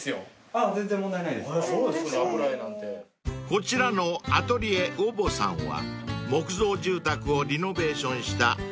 ［こちらのアトリエウォボさんは木造住宅をリノベーションした長屋の一角にある絵画教室］